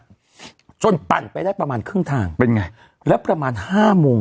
จนปั่นไปได้ประมาณครึ่งทางเป็นไงแล้วประมาณห้าโมง